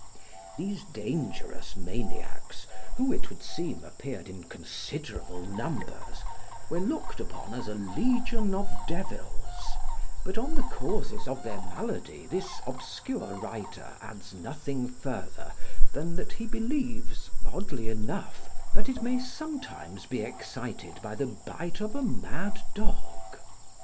These dangerous maniacs, who, it would seem, appeared in considerable numbers, were looked upon as a legion of devils, but on the causes of their malady this obscure writer adds nothing further than that he believes (oddly enough) that it may sometimes be excited by the bite of a mad dog.